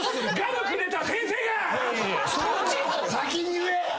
先に言え！